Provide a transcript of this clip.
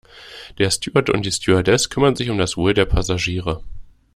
Der Steward und die Stewardess kümmern sich um das Wohl der Passagiere.